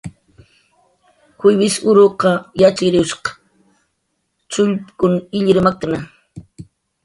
Juivis uruq yatxchiriwshq chullkun illir maktna